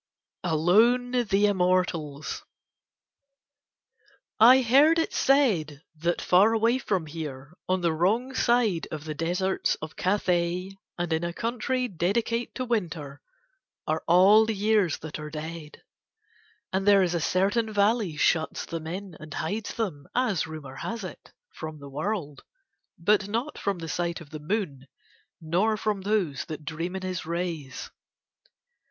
ALONE THE IMMORTALS I heard it said that far away from here, on the wrong side of the deserts of Cathay and in a country dedicate to winter, are all the years that are dead. And there a certain valley shuts them in and hides them, as rumor has it, from the world, but not from the sight of the moon nor from those that dream in his rays.